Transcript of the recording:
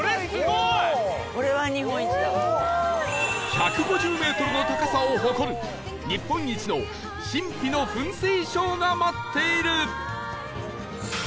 １５０メートルの高さを誇る日本一の神秘の噴水ショーが待っている